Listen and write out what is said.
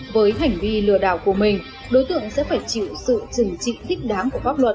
với hành vi lừa đảo của mình đối tượng sẽ phải chịu sự trừng trị thích đáng của pháp luật